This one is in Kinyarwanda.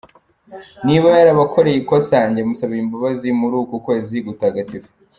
Niba yarabakoreye ikosa njye musabiye imbabazi muri uku kwezi gutagatifu.